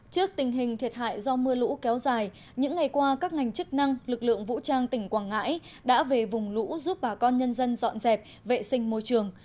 trước tình hình thiệt hại do mưa lũ kéo dài những ngày qua các ngành chức năng lực lượng vũ trang tỉnh quảng ngãi đã về vùng lũ giúp bà con nhân dân dọn dẹp vệ sinh môi trường